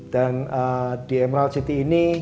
dan di emerald city ini